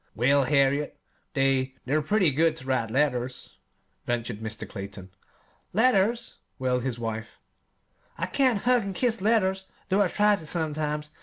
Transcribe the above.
'" "Well, Harriet, they they're pretty good ter write letters," ventured Mr. Clayton. "Letters!" wailed his wife. "I can't hug an' kiss letters, though I try to, sometimes.